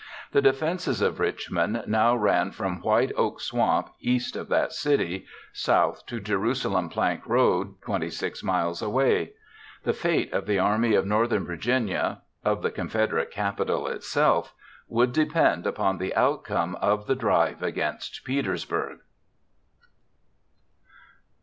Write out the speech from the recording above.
The defenses of Richmond now ran from White Oak Swamp, east of that city, south to Jerusalem Plank Road, 26 miles away. The fate of the Army of Northern Virginia—of the Confederate capital itself—would depend upon the outcome of the drive against Petersburg.